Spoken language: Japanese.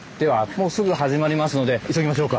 もうすぐ始まりますので急ぎましょうか。